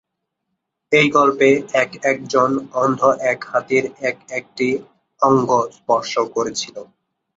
এই গল্পে এক এক জন অন্ধ এক হাতির এক একটি অঙ্গ স্পর্শ করেছিল।